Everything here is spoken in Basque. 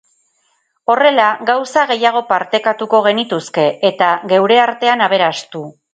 Horrela gauza gehiago partekatuko genituzke, eta geure artean aberastu.